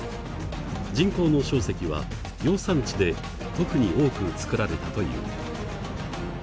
人工の硝石は養蚕地で特に多く作られたという。